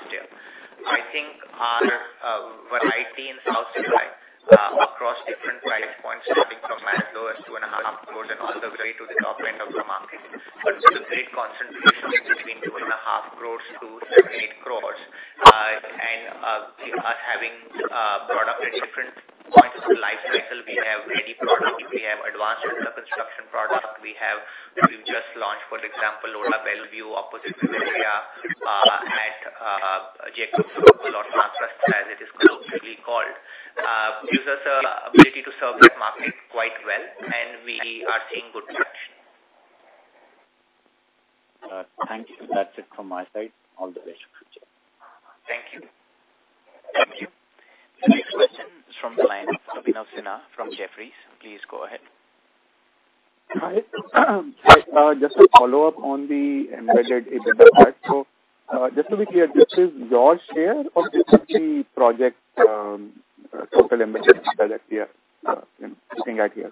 year. I think our variety in South Central across different price points starting from as low as 2.5 crores and all the way to the top end of the market. With a great concentration between 2.5 crores to 7 crores-8 crores. You know, us having product at different points of the life cycle. We have ready product. We have advanced under construction product. We've just launched, for example, Lodha Bellevue opposite Vivirea at Jacob Circle or Saat Rasta, as it is colloquially called, gives us the ability to serve that market quite well, and we are seeing good traction. Thank you. That's it from my side. All the best for the future. Thank you. Thank you. The next question is from the line of Abhinav Sinha from Jefferies. Please go ahead. Hi. Just a follow-up on the embedded EBITDA part. Just to be clear, this is your share or this is the project total embedded EBITDA that we are looking at here?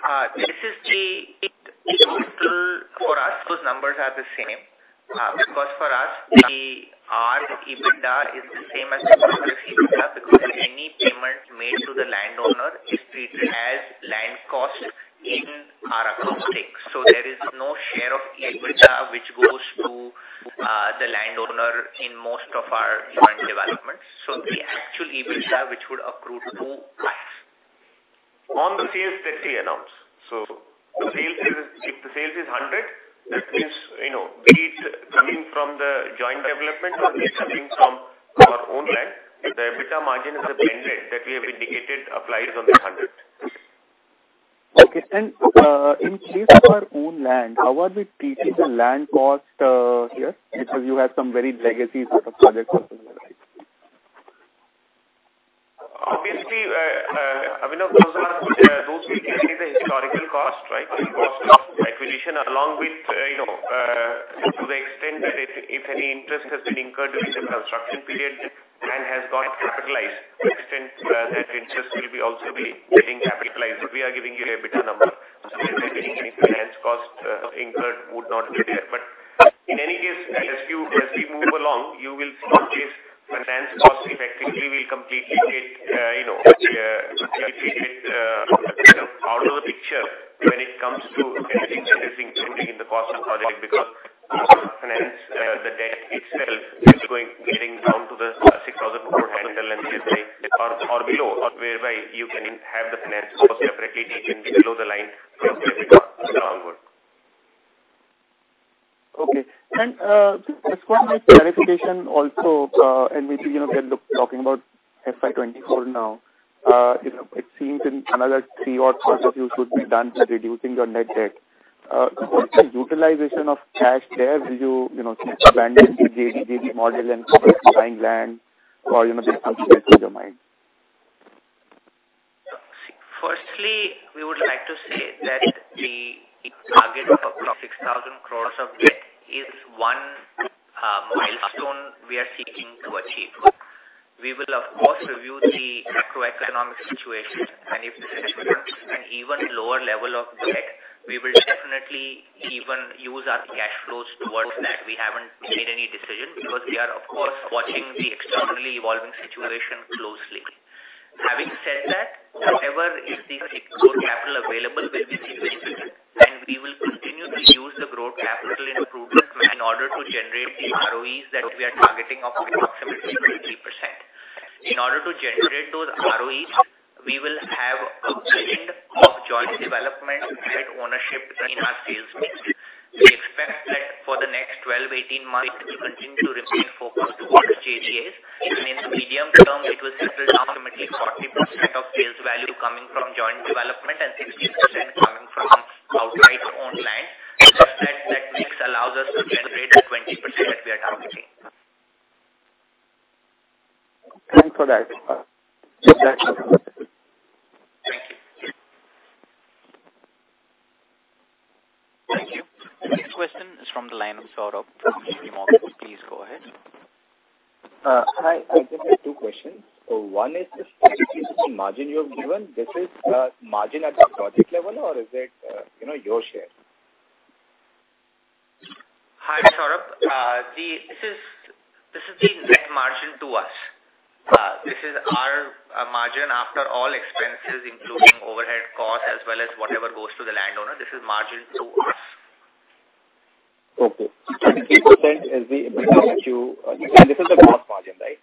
For us, those numbers are the same. Because for us, our EBITDA is the same as the total EBITDA because any payment made to the landowner is treated as land cost in our accounting. There is no share of EBITDA which goes to the landowner in most of our joint developments. The actual EBITDA which would accrue to us. On the sales that he announced. The sales is, if the sales is 100, that means, you know, be it coming from the joint development or be it coming from our own land, the EBITDA margin is a blend rate that we have indicated applies on the 100. Okay. In case of our own land, how are we treating the land cost here? Because you have some very legacy sort of projects also in your life. Obviously, I mean, those we carry the historical cost, right? The cost of acquisition along with, you know, to the extent that if any interest has been incurred during the construction period and has got capitalized, to the extent that interest will also be getting capitalized. We are giving you an EBITDA number. So any finance cost incurred would not be there. In any case, as we move along, you will notice finance cost effectively will completely take out of the picture when it comes to anything accruing in the cost of project because the debt itself is going down to the 6,000 crore level, say, or below whereby you can have the finance separately taken below the line from Okay. Just one more clarification also, and maybe, you know, we are talking about FY 2024 now. You know, it seems in another three or four quarters you should be done with reducing your net debt. What's the utilization of cash there? Will you know, stick to land bank, JDA model and buying land or, you know, just what's in your mind? See, firstly, we would like to say that the target of approximately 6,000 crores of debt is one milestone we are seeking to achieve. We will of course review the macroeconomic situation and if it warrants an even lower level of debt, we will definitely even use our cash flows towards that. We haven't made any decision because we are of course watching the externally evolving situation closely. Having said that, however, the growth capital available will be used and we will continue to use the growth capital in projects in order to generate the ROEs that we are targeting of approximately 20%. In order to generate those ROEs, we will have a blend of joint development and ownership in our sales mix. We expect that for the next 12-18 months we will continue to remain focused towards JDAs. In the medium term, it will settle down to approximately 40% of sales value coming from joint development and 60% coming from outright own land such that mix allows us to generate the 20% that we are targeting. Thank you for that. Thank you. The next question is from the line of Saurabh from JPMorgan. Please go ahead. Hi. I just have two questions. One is this margin you have given, this is margin at the project level or is it, you know, your share? Hi, Saurabh. This is the net margin to us. This is our margin after all expenses including overhead costs as well as whatever goes to the landowner. This is margin to us. Okay. 23% is the EBITDA. This is the gross margin, right?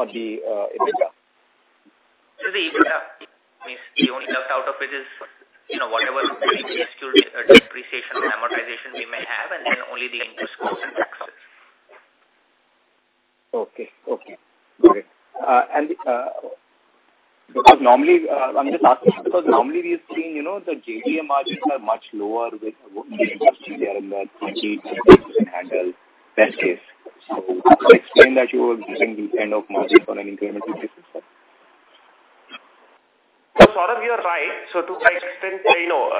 On the EBITDA. This is the EBITDA. Means the only cost out of it is, you know, whatever CapEx, depreciation, amortization we may have and then only the interest costs and taxes. Okay. Great. Because normally, I'm just asking because normally we've seen, you know, the JDA margins are much lower in the best case. Could you explain that you are using this kind of margin for an incremental business? Saurabh, you are right. To explain, you know,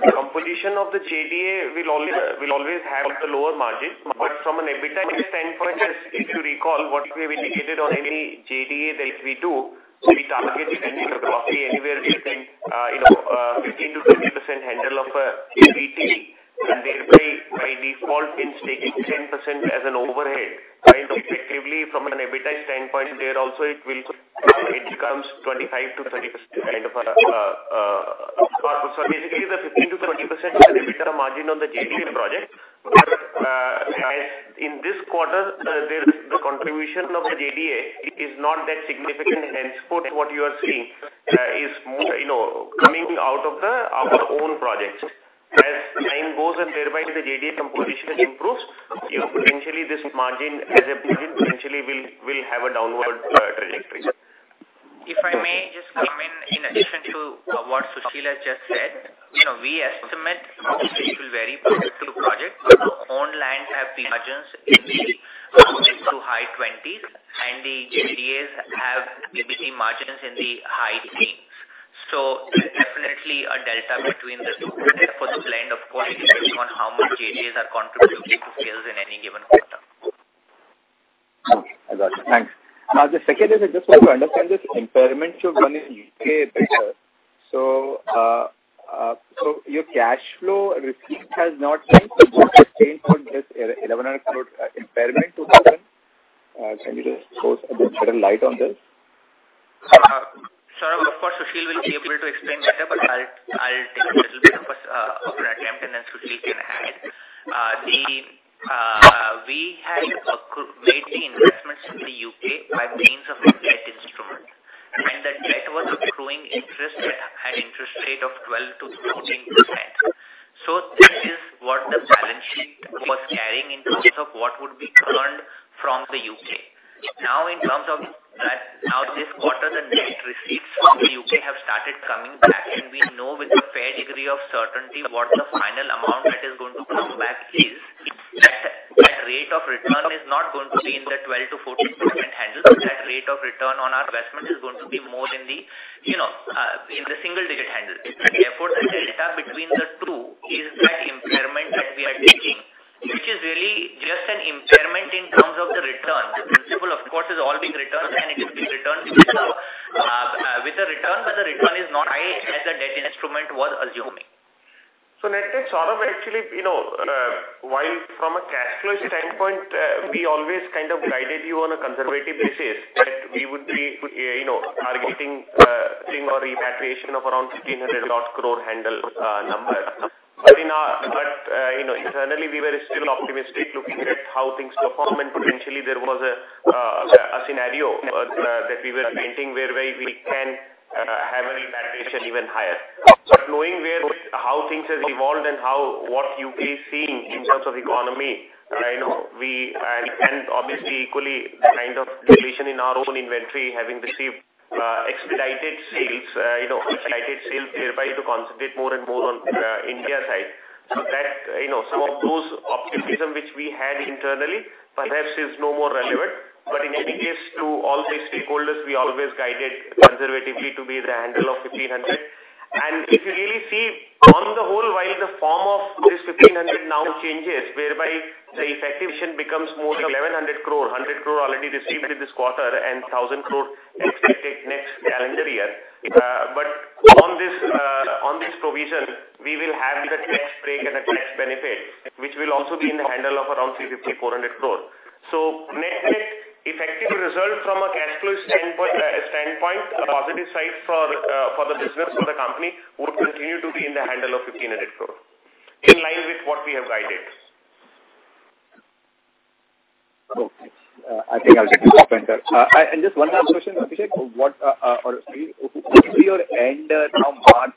the composition of the JDA will always have the lower margin. From an EBITDA standpoint, as if you recall what we have indicated on any JDA that we do, we target anywhere between 15%-20% handle of EBITDA. Thereby by default taking 10% as an overhead, while effectively from an EBITDA standpoint, there also it becomes 25%-30% kind of, so basically the 15%-20% is the EBITDA margin on the JDA project. As in this quarter, the contribution of the JDA is not that significant. Henceforth what you are seeing is more, you know, coming out of our own projects. As time goes and thereby the JDA composition improves, you know, potentially this margin as a business potentially will have a downward trajectory. If I may just come in addition to what Sushil has just said. You know, we estimate it will vary project to project. Own land have the margins in the low- to high 20s% and the JDAs have EBITDA margins in the high teens%. There's definitely a delta between the two. Therefore the blend of course will depend on how much JDAs are contributing to sales in any given quarter. I got you. Thanks. Now the second is I just want to understand this impairment you've done in U.K. better. Your cash flow receipt has not been proportional to this 1,100 crore impairment to happen. Can you just throw some a bit of light on this? Saurabh, of course Sushil will be able to explain better, but I'll take a little bit of a of an attempt and then Sushil can add. We had made the investments in the U.K. by means of a debt instrument. That debt was accruing interest at an interest rate of 12%-14%. That is what the balance sheet was carrying in terms of what would be earned from the U.K. Now in terms of that, this quarter the net receipts from the U.K. have started coming back and we know with a fair degree of certainty what the final amount that is going to come back is. That rate of return is not going to be in the 12%-14% handle. That rate of return on our investment is going to be more in the, you know, in the single digit handle. Therefore, the delta between the two is that impairment that we are taking, which is really just an impairment in terms of the return. The principal of course is all being returned and it is being returned with the return, but the return is not as high as the debt instrument was assuming. Net, net Saurabh, actually, you know, while from a cash flow standpoint, we always kind of guided you on a conservative basis that we would be, you know, targeting seeing a repatriation of around 1,500-odd crore handle number. Internally, we were still optimistic looking at how things perform. Potentially there was a scenario that we were painting whereby we can have an impact which is even higher. Knowing how things have evolved and how what you may have seen in terms of economy, I know we. Obviously equally kind of deflation in our own inventory, having received expedited sales, you know, thereby to concentrate more and more on Indian side. That, you know, some of those optimism which we had internally perhaps is no more relevant. In any case, to all the stakeholders, we always guided conservatively to be the handle of 1,500 crore. If you really see on the whole, while the form of this 1,500 crore now changes whereby the effective provision becomes more 1,100 crore, 100 crore already received in this quarter and 1,000 crore expected next calendar year. On this provision, we will have the tax break and a tax benefit, which will also be in the handle of around 350, 400 crores. Net-net effective result from a cash flow standpoint, a positive side for the business, for the company would continue to be in the handle of 1,500 crore in line with what we have guided. Okay. I think I'll let you answer. Just one last question, Abhishek. What would be your end-of-March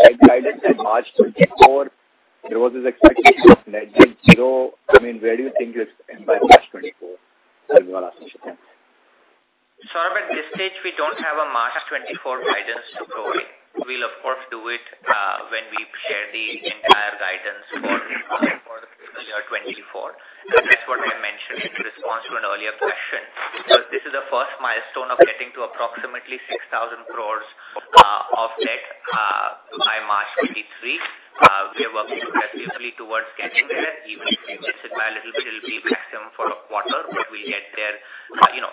debt guidance at March 2024? There was this expectation of net debt 0. I mean, where do you think you'll end by March 2024? That's my last question. Saurabh, at this stage we don't have a March 2024 guidance to provide. We'll of course do it when we share the entire guidance for the year 2024. That's what I mentioned in response to an earlier question. This is the first milestone of getting to approximately 6,000 crores of debt by March 2023. We are working aggressively towards getting there, even if we miss it by a little bit, it'll be maximum for a quarter, but we'll get there, you know,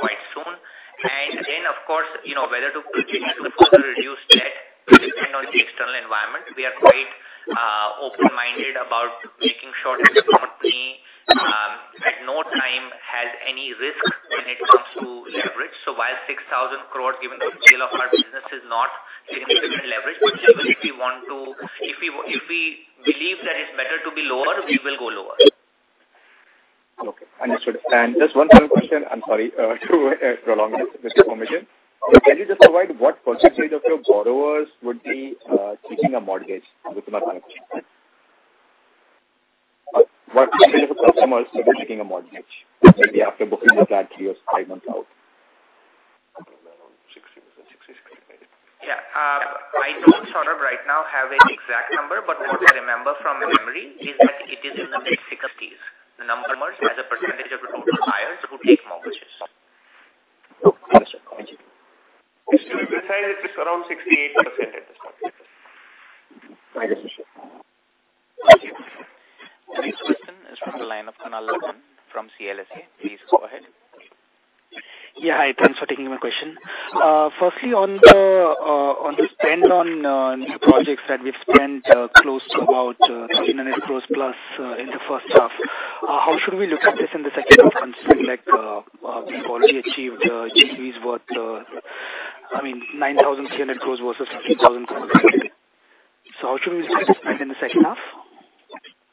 quite soon. Then of course, you know, whether to continue to further reduce debt will depend on the external environment. We are quite open-minded about making sure that the company at no time has any risk when it comes to leverage. While 6,000 crore given the scale of our business is not significantly leveraged, but still if we believe that it's better to be lower, we will go lower. Okay, understood. Just one final question. I'm sorry to prolong this information. Can you just provide what percentage of your borrowers would be taking a mortgage within a bank? What percentage of customers will be taking a mortgage maybe after booking the flat three or five months out? Around 60%, 60, 65. Yeah. I don't, Saurabh, right now have an exact number, but what I remember from memory is I think it is in the mid-60s%. The number of customers as a percentage of total buyers who take mortgages. Okay. Gotcha. Thank you. To be precise, it's around 68% at this point. My guess is sure. Thank you. The next question is from the line of Kunal Lakhan from CLSA. Please go ahead. Yeah. Hi. Thanks for taking my question. Firstly, on the spend on new projects that we've spent close to about 1,300 crore plus in the first half, how should we look at this in the second half considering like we've already achieved GDVs worth, I mean, 9,300 crore versus 10,000 crore. How should we expect to spend in the second half?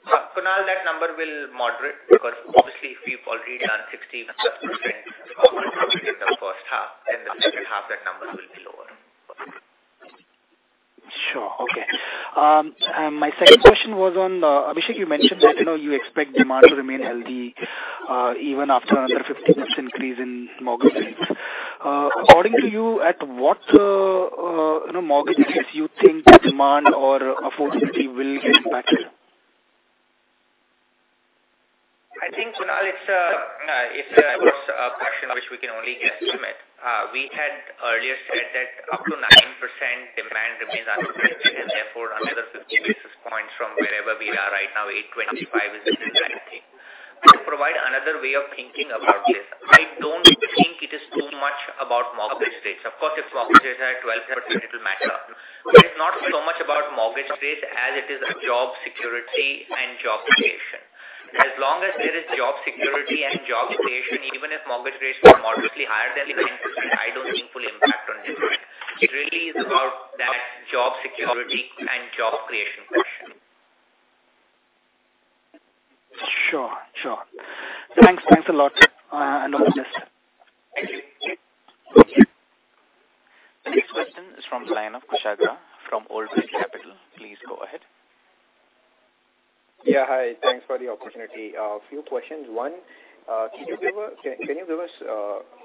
Kunal, that number will moderate because obviously if we've already done 60% of our target in the first half, in the second half that number will be lower. Sure. Okay. My second question was on Abhishek. You mentioned that, you know, you expect demand to remain healthy even after another 50 basis points increase in mortgage rates. According to you, at what, you know, mortgage rates you think demand or affordability will get impacted? I think, Kunal, it's, of course, a question which we can only guesstimate. We had earlier said that up to 9% demand remains unaffected and therefore another 50 basis points from wherever we are right now, 8.25 is a good guide thing. I'll provide another way of thinking about this. I don't think it is too much about mortgage rates. Of course, if mortgage rates are at 12% it will matter. But it's not so much about mortgage rates as it is a job security and job creation. As long as there is job security and job creation, even if mortgage rates are moderately higher than 9%, I don't think will impact on demand. It really is about that job security and job creation question. Sure. Thanks a lot, and all the best. Thank you. The next question is from line of Kushagra from Old Bridge Capital. Please go ahead. Yeah. Hi. Thanks for the opportunity. A few questions. One, can you give us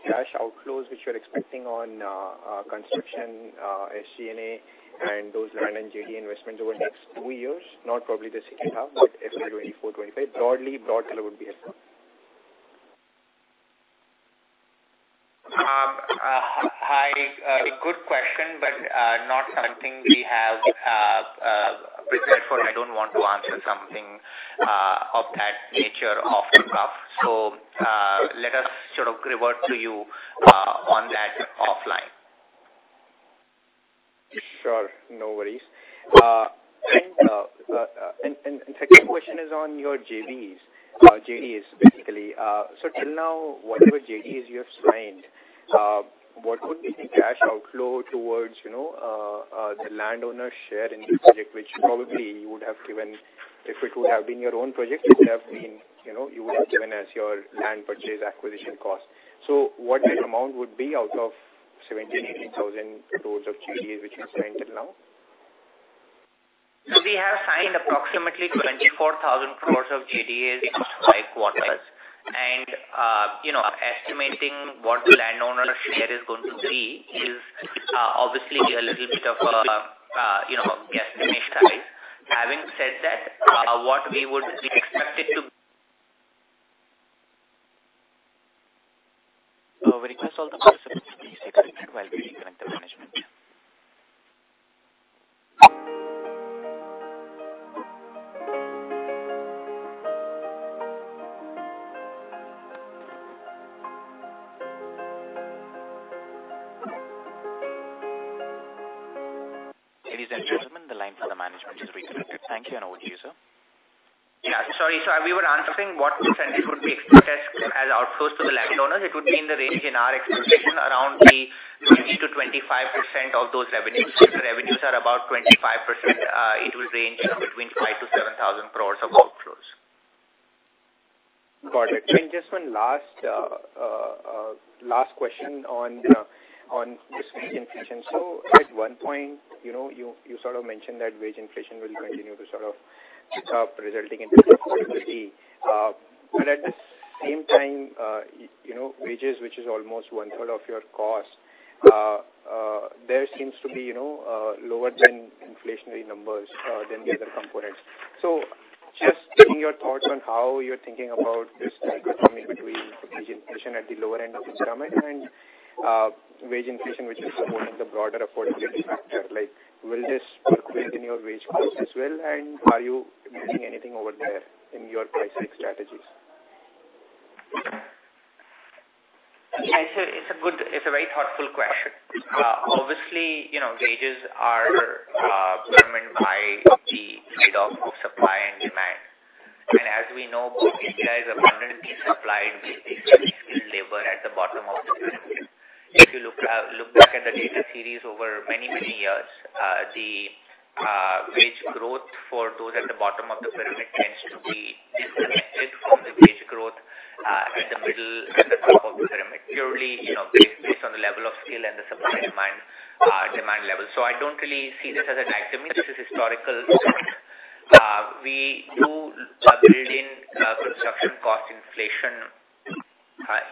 cash outflows which you're expecting on construction, SG&A and those land and JD investments over the next two years? Not probably the second half, but FY 2024, 2025. Broadly, color would be helpful. Hi. A good question, but not something we have prepared for. I don't want to answer something of that nature off the cuff. Let us sort of revert to you on that offline. No worries. Second question is on your JVs, JDs basically. Till now, whatever JDs you have signed, what would be the cash outflow towards, you know, the landowner share in each project, which probably you would have given. If it would have been your own project, it would have been, you know, you would have given as your land purchase acquisition cost. What that amount would be out of 17,000 crore-18,000 crore of JDs which you've signed till now? We have signed approximately 24,000 crores of JDs in five quarters. You know, estimating what the landowner share is going to be is obviously a little bit of you know, guesstimate, right? Having said that, what we would be expected to- We request all the participants to please stay on the line while we reconnect the management. Ladies and gentlemen, the line for the management is reconnected. Thank you, and over to you, sir. Sorry, we were answering what percentage would be expected as outflows to the landowners. It would be in the range, in our expectation, around the 20%-25% of those revenues. If the revenues are about 25,000 crores, it will range between 5,000-7,000 crores of outflows. Got it. Just one last question on this wage inflation. At one point, you know, you sort of mentioned that wage inflation will continue to sort of tick up, resulting in profitability. At the same time, you know, wages, which is almost one third of your cost, there seems to be, you know, lower than inflationary numbers than the other components. Just taking your thoughts on how you're thinking about this dichotomy between wage inflation at the lower end of the pyramid and wage inflation, which is more of the broader affordability factor. Like, will this percolate in your wage costs as well? Are you doing anything over there in your pricing strategies? It's a very thoughtful question. Obviously, you know, wages are determined by the trade-off of supply and demand. As we know, India is abundantly supplied with basically skilled labor at the bottom of the pyramid. If you look back at the data series over many years, the wage growth for those at the bottom of the pyramid tends to be disconnected from the wage growth at the middle and the top of the pyramid, purely, you know, based on the level of skill and the supply and demand level. I don't really see this as an anomaly. This is historical. We do build in construction cost inflation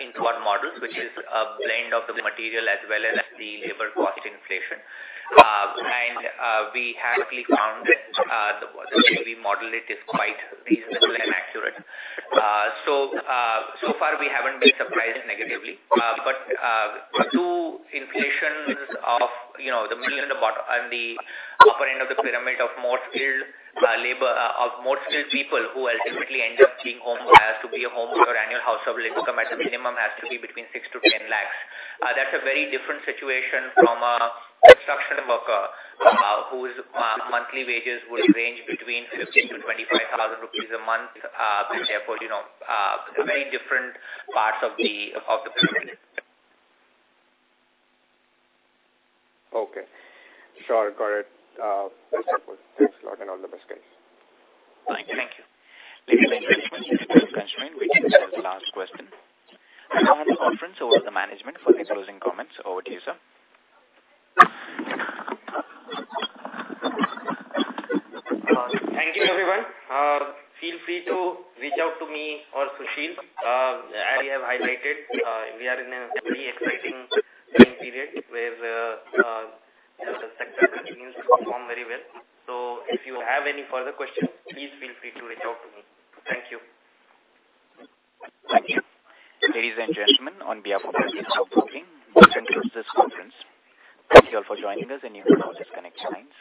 into our models, which is a blend of the material as well as the labor cost inflation. We happily found the way we model it is quite reasonable and accurate. So far we haven't been surprised negatively. The inflation in, you know, the middle and the bottom, and the upper end of the pyramid of more skilled labor of more skilled people who ultimately end up being home buyers. To be a home owner, annual household income at a minimum has to be between 6-10 lakhs. That's a very different situation from a construction worker whose monthly wages would range between 15-25 thousand rupees a month. Therefore, you know, very different parts of the pyramid. Okay. Sure. Got it. That's helpful. Thanks a lot and all the best, guys. Thank you. Thank you. Ladies and gentlemen, this is the last question. This concludes the last question. Conference over to the management for any closing comments. Over to you, sir. Thank you, everyone. Feel free to reach out to me or Sushil. As we have highlighted, we are in a very exciting time period where, you know, the sector continues to perform very well. If you have any further questions, please feel free to reach out to me. Thank you. Thank you. Ladies and gentlemen, on behalf of IIFL Securities, this concludes the conference. Thank you all for joining us, and you can now disconnect your lines.